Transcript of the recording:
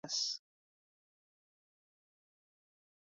It is bounded laterally by the superior frontal sulcus.